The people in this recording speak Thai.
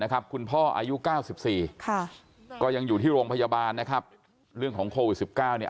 คุณพ่ออายุ๙๔ก็ยังอยู่ที่โรงพยาบาลนะครับเรื่องของโควิด๑๙เนี่ย